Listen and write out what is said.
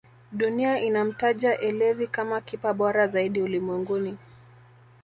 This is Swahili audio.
dunia inamtaja elevi kama kipa bora zaidi ulimwenguni